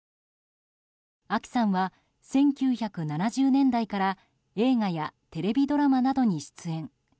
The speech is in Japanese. あきさんは、１９７０年代から映画やテレビドラマなどに出演。